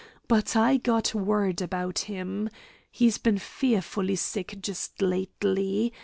But I got word about him. He's been fearful sick just lately.